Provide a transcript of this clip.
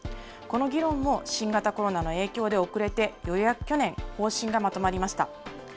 この議論も、新型コロナの影響で遅れて、ようやく去年、方針がまとまりました。